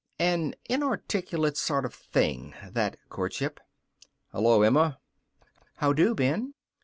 An inarticulate sort of thing, that courtship. "Hello, Emma." "How do, Ben."